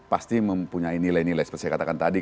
pasti mempunyai nilai nilai seperti saya katakan tadi